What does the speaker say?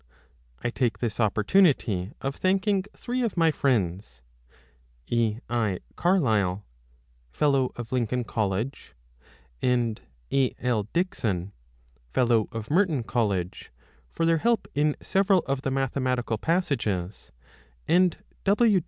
I take this opportunity of thanking three of my friends, E. I. Carlyle (Fellow of Lincoln College) and A. L. Dixon (Fellow of Merton College) for their help in several of the mathematical passages, and W.